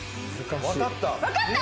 わかった！